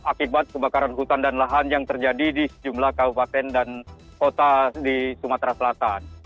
akibat kebakaran hutan dan lahan yang terjadi di sejumlah kabupaten dan kota di sumatera selatan